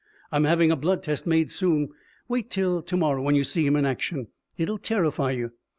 I'm having a blood test made soon. Wait till to morrow when you see him in action. It'll terrify you.